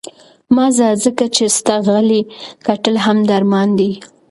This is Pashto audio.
مه ځه، ځکه چې ستا غلي کتل هم درمان دی.